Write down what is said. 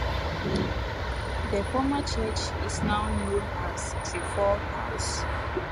The former church is now known as Trefoil House.